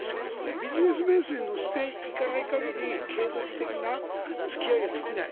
ビジネスベースに乗せていかない限り継続的な付き合いができない。